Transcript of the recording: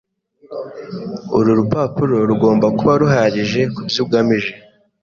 Uru rupapuro rugomba kuba ruhagije kubyo ugamije.